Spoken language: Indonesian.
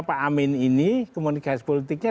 pak amin ini komunikasi politiknya